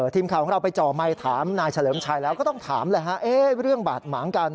ทีมข่าวของเราไปจ่อไมค์ถามนายเฉลิมชัยแล้วก็ต้องถามเลยฮะเรื่องบาดหมางกัน